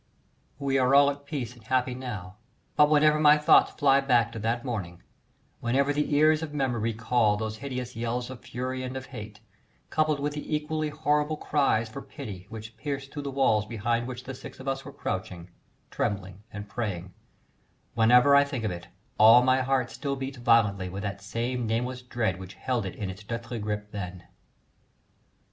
We are all at peace and happy now, but whenever my thoughts fly back to that morning, whenever the ears of memory recall those hideous yells of fury and of hate, coupled with the equally horrible cries for pity which pierced through the walls behind which the six of us were crouching, trembling, and praying, whenever I think of it all my heart still beats violently with that same nameless dread which held it in its deathly grip then.